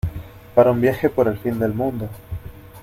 para un viaje por el fin del mundo